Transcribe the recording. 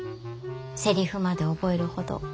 せりふまで覚えるほど。